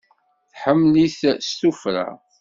Tḥemmel-it s tuffra.